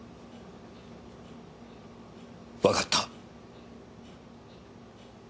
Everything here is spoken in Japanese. わかった。